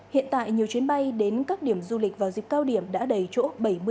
hiện tại nhiều chuyến bay đến các điểm du lịch vào dịp cao điểm đã đầy chỗ bảy mươi